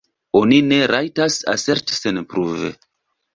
Oni ne rajtas aserti senpruve.